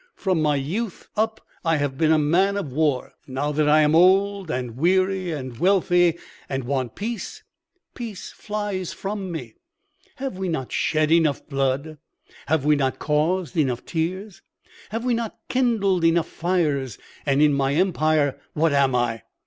From my youth up I have been a man of war; and now that I am old and weary and wealthy, and want peace, peace flies from me. Have we not shed enough blood? Have we not caused enough tears? Have we not kindled enough fires? And in my empire what am I?